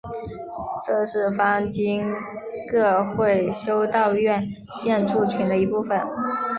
这是方济各会修道院建筑群的一部分。